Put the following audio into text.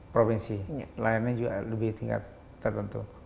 provinsi layanannya juga lebih tingkat tertentu